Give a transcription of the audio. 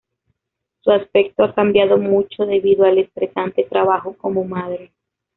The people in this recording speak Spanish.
Su aspecto ha cambiado mucho debido al estresante trabajo como madre.